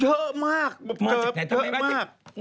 เยอะมากเกินเยอะมาก